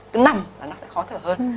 cứ nằm là nó sẽ khó thở hơn